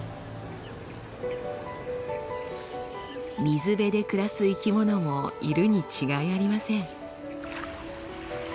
水辺で暮らす生き物もいるに違いありません。